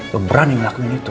lo berani ngelakuin itu